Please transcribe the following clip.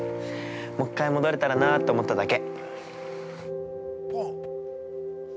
もう一回戻れたらなって思っただけ。